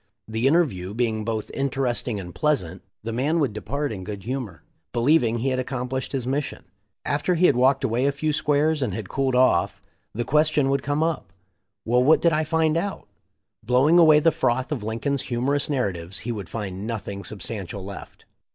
The interview being both interesting and pleasant, the man would depart in good humor, believing he had accomplished his mission. After he had walked away a few squares and had cooled off, the 334 THE LIFE OF LINCOLN. question would come up, "Well, what did I find out?" Blowing away the froth of Lincoln's hu morous narratives he would find nothing substan tial left.